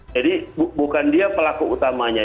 jadi bukan dia pelaku utamanya